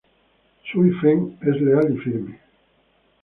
Suì-Fēng es leal y firme.